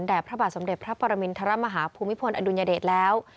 พระบาทสมเด็จพระปรมินทรมาฮาภูมิพลอดุลยเดชแล้ว